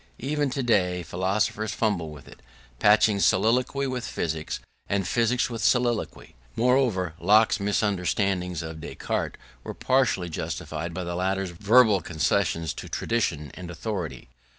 Even today philosophers fumble with it, patching soliloquy with physics and physics with soliloquy. Moreover, Locke's misunderstandings of Descartes were partly justified by the latter's verbal concessions to tradition and authority.